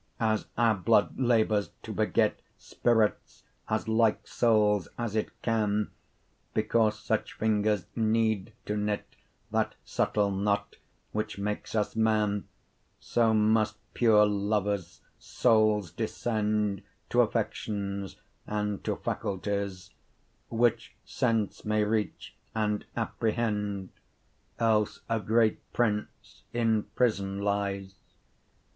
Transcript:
60 As our blood labours to beget Spirits, as like soules as it can, Because such fingers need to knit That subtile knot, which makes us man: So must pure lovers soules descend 65 T'affections, and to faculties, Which sense may reach and apprehend, Else a great Prince in prison lies.